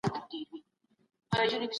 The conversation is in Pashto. هانمین یو داسې ماشین جوړ کړی و.